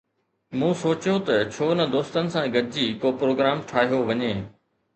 مون سوچيو ته ڇو نه دوستن سان گڏجي ڪو پروگرام ٺاهيو وڃي